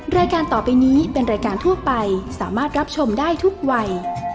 รายการต่อไปนี้เป็นรายการทั่วไปสามารถรับชมได้ทุกวัย